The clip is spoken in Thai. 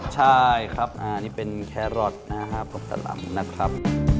ใช่ครับอันนี้เป็นแครอทนะครับกับสลำนะครับ